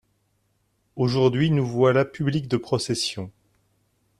Aujourd'hui nous voilà public de procession!